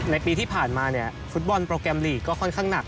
ในปีที่ผ่านมาเนี่ยฟุตบอลโปรแกรมลีกก็ค่อนข้างหนัก